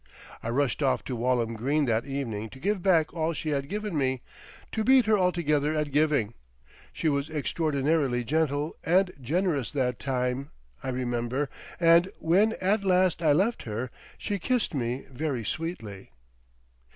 I rushed off to Walham Green that evening to give back all she had given me, to beat her altogether at giving. She was extraordinarily gentle and generous that time, I remember, and when at last I left her, she kissed me very sweetly.